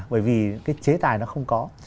bởi vì cái chế tài nó không có